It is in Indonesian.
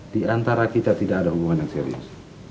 di antara kita tidak ada hubungan yang serius